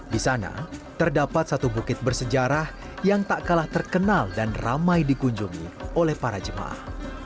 di sana terdapat satu bukit bersejarah yang tak kalah terkenal dan ramai dikunjungi oleh para jemaah